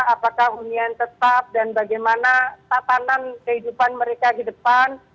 apakah hunian tetap dan bagaimana tatanan kehidupan mereka di depan